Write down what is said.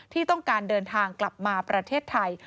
ที่ต้องการเดินทางกลับมาประเทศไทย